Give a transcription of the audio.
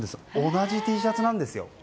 同じＴシャツなんですよ。